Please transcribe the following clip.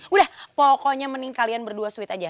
udah pokoknya kalian berdua sweet aja